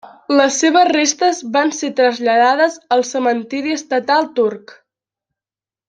Les seves restes van ser traslladades al Cementiri estatal turc.